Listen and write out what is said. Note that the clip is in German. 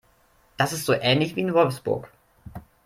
Das ist so ähnlich wie in Wolfsburg